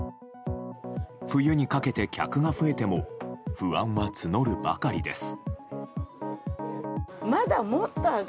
冬にかけて客が増えても不安は募るばかりです。